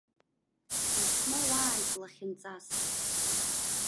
Исмоуааит лахьынҵас.